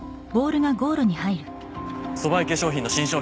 ソバエ化粧品の新商品